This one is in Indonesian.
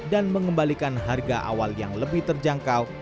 dan mengembalikan harga awal yang lebih terjangkau